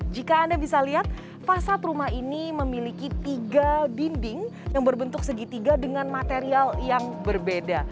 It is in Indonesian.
jika anda bisa lihat fasad rumah ini memiliki tiga dinding yang berbentuk segitiga dengan material yang berbeda